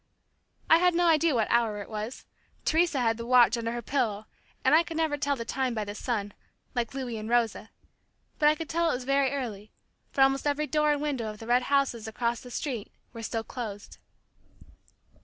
I had no idea what hour it was. Teresa had the watch under her pillow, and I could never tell the time by the sun, like Louis and Rosa, but I could tell it was very early, for almost every door and window of the red houses across the street, were still closed.